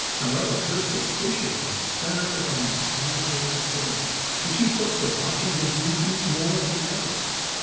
However, her suspicions centered upon the sly old ferret and she took to watching his movements more than ever.